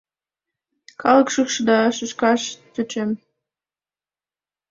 Калык шӱшка да, шӱшкаш тӧчем.